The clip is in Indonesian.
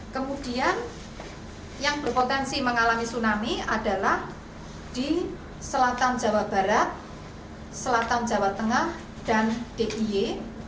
kemudian yang berpotensi mengalami tsunami adalah di selatan jawa barat selatan jawa tengah dan d i e